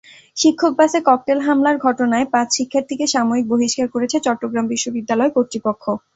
শিক্ষকবাসে cocktail হামলার ঘটনায় পাঁচ শিক্ষার্থীকে সাময়িক বহিষ্কার করেছে চট্টগ্রাম বিশ্ববিদ্যালয় কর্তৃপক্ষ।